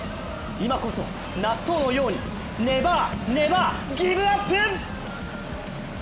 今こそ納豆のようにネバーネバーギブアップ。